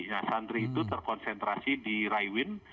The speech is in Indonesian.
nah santri itu terkonsentrasi di raiwin